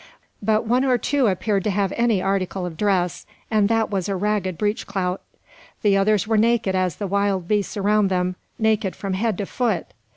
But one or two appeared to have any article of dress, and that was a ragged breech clout. The others were naked as the wild beasts around them, naked from head to foot!